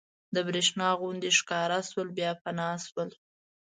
د برېښنا غوندې ښکاره شول بیا فنا شول.